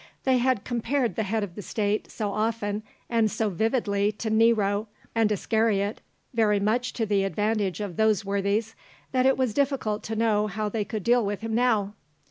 They had compared the Head of the State so often and so vividly to Nero and Iscariot, very much to the advantage of those worthies, that it was difficult to know how they could deal with him now.